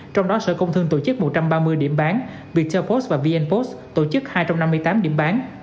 trong đó sở công thương tổ chức một trăm ba mươi điểm bán viettel post và vnpost tổ chức hai trăm năm mươi tám điểm bán